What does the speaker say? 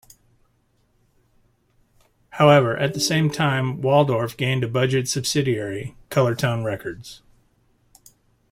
However, at the same time Waldorf gained a budget subsidiary, Colortone Records.